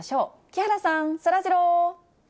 木原さん、そらジロー。